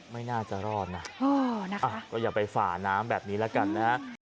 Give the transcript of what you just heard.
ไม่น่าจะรอดนะก็อย่าไปฝ่าน้ำแบบนี้แล้วกันนะฮะ